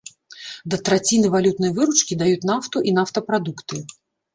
Да траціны валютнай выручкі даюць нафту і нафтапрадукты.